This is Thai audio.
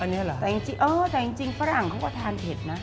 อันนี้เหรอแต่อ๋อแต่จริงจริงฝรั่งเขาก็ทานเผ็ดนะ